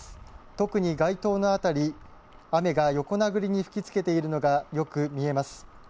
特に街頭の辺り雨が横殴りに吹きつけているのがよく見えます。